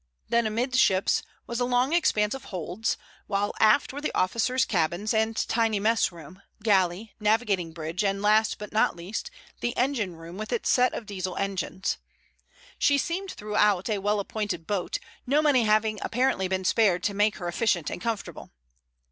Then amidships was a long expanse of holds, while aft were the officers' cabins and tiny mess room, galley, navigating bridge, and last, but not least, the engine room with its set of Diesel engines. She seemed throughout a well appointed boat, no money having apparently been spared to make her efficient and comfortable.